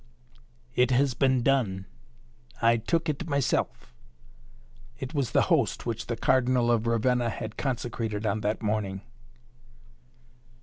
"It has been done! I took it myself! It was the Host which the Cardinal of Ravenna had consecrated on that morning."